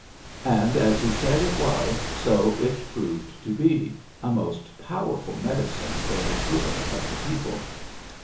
"And as he said it was, so it proved to be, a most powerful medicine for the good of the people.